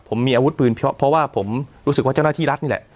ผมมีอาวุธปืนเพราะว่าผมรู้สึกว่าเจ้าหน้าที่รัฐนี่แหละ